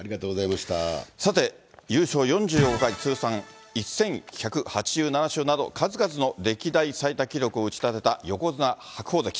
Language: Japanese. さて、優勝４５回、通算１１８７勝など、数々の歴代最多記録を打ち立てた横綱・白鵬関。